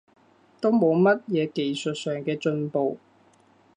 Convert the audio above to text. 都冇乜嘢技術上嘅進步